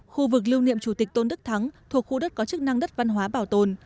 khu vực lưu niệm chủ tịch tôn đức thắng thuộc khu đất có chức năng đất văn hóa bảo tồn